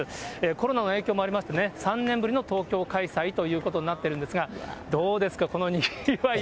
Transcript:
コロナの影響もありましてね、３年ぶりの東京開催ということになってるんですが、どうですか、このにぎわい。